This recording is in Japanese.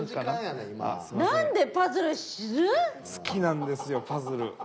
なんでパズルする！？